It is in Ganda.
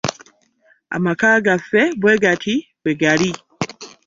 Amaka gaffe bwe gati bwe gali.